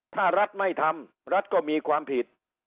ถ้ารัฐไม่ทำรัฐก็มีความผิด